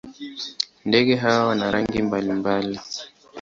Ndege hawa wana rangi mbalimbali.